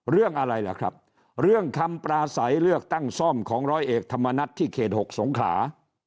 เรื่องอะไรล่ะครับเรื่องคำปราศัยเลือกตั้งซ่อมของร้อยเอกธรรมนัฐที่เขต๖สงขลา